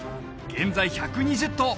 現在１２０頭